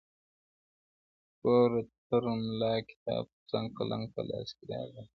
توره تر ملا کتاب تر څنګ قلم په لاس کي راځم،